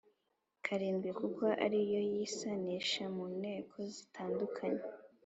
karindwi kuko ari yo yisanisha mu nteko zitandukanye